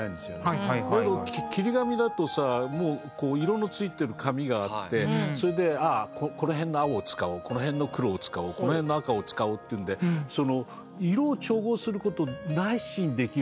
だけど切り紙だとさもう色のついてる紙があってそれでああこの辺の青を使おうこの辺の黒を使おうこの辺の赤を使おうっていうんでその色を調合することなしにできるからね